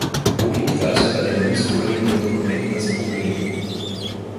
Wo liegt also bei dem uns vorliegenden Dokument das Problem?